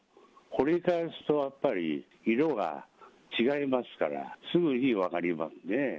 掘り返すとやっぱり、色が違いますから、すぐに分かりますね。